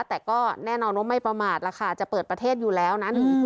แต่ก็แน่นอนว่าไม่ประมาทล่ะค่ะจะเปิดประเทศอยู่แล้วนะ